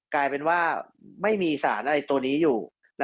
กลายเป็นว่าไม่มีสารอะไรตัวนี้อยู่